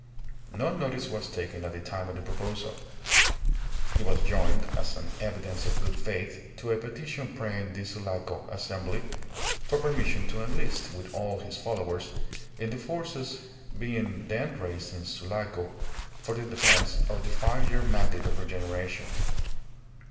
No notice was taken at the time of the proposal. It was joined, as an evidence of good faith, to a petition praying the Sulaco Assembly for permission to enlist, with all his followers, in the forces being then raised in Sulaco for the defence of the Five Year Mandate of regeneration.